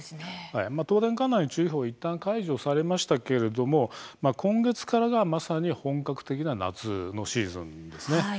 東電管内の注意報いったん解除されましたけれども今月からがまさに本格的な夏のシーズンです。